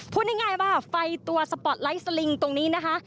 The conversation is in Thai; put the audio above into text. พูดง่ายว่าไฟตัวสปอร์ตไลท์สลิงตรงนี้นะคะ